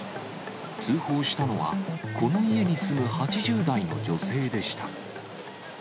通報したのは、この家に住む８０代の女性でした。